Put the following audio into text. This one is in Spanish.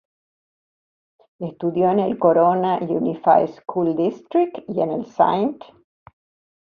Estudió en el Corona Unified School District y en el St.